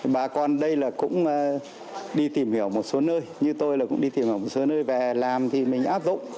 bà con đây là cũng đi tìm hiểu một số nơi như tôi là cũng đi tìm hiểu một số nơi và làm thì mình áp dụng